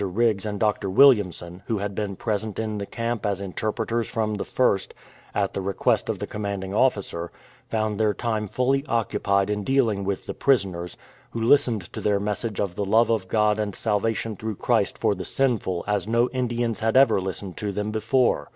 Riggs and Dr. Williamson, who had been present in the camp as interpreters from the first at the request of the commanding officer, found their time fully occupied in dealing with the prisoners, who listened to their message of the love of God and salvation through Christ for the sinful as no Indians had ever listened to them before.